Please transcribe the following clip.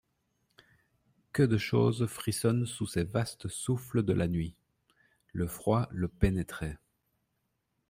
Que de choses frissonnent sous ces vastes souffles de la nuit ! Le froid le pénétrait.